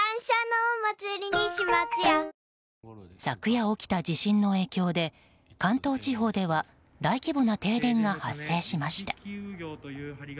昨夜起きた地震の影響で関東地方では大規模な停電が発生しました。